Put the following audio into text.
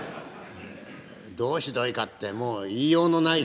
どうひどいかってもう言いようのないひどさでした。